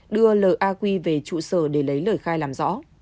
đưa l a quy về trụ sở để lấy lời khai làm rõ